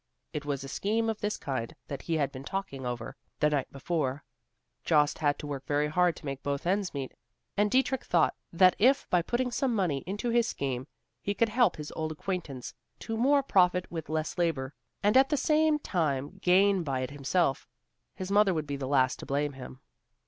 It was a scheme of this kind that he had been talking over, the night before. Jost had to work very hard to make both ends meet, and Dietrich thought that if by putting some money into his scheme, he could help his old acquaintance to more profit with less labor, and at the same time gain by it himself, his mother would be the last to blame him.